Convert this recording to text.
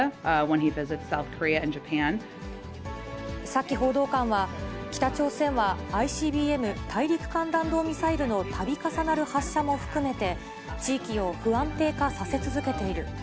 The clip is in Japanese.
サキ報道官は、北朝鮮はＩＣＢＭ・大陸間弾道ミサイルのたび重なる発射も含めて、地域を不安定化させ続けている。